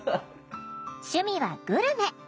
趣味はグルメ。